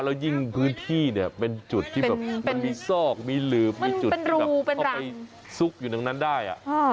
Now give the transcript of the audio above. แล้วยิ่งพื้นที่เป็นจุดที่มีซอกมีหลืมมีจุดที่เขาไปซุกอยู่ดังนั้นได้